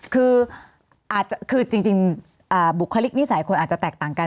คืออาจจะคือจริงบุคลิกนิสัยคนอาจจะแตกต่างกัน